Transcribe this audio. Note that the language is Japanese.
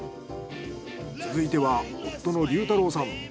続いては夫の竜太郎さん。